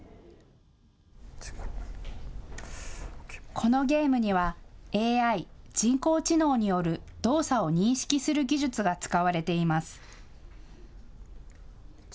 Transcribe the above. このゲームにはＡＩ・人工知能による動作を認識する技術が使われています。